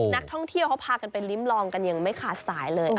นักท่องเที่ยวเขาพากันไปลิ้มลองกันอย่างไม่ขาดสายเลย